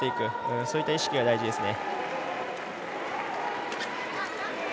そういった意識が大事ですね。